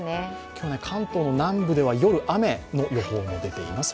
今日、関東の南部では夜、雨の予報も出ています。